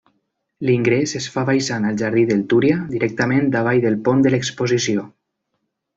L'ingrés es fa baixant al Jardí del Túria, directament davall del pont de l'Exposició.